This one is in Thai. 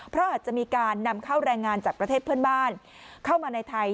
เพราะอาจจะมีการนำเข้าแรงงานจากประเทศเพื่อนบ้านเข้ามาในไทย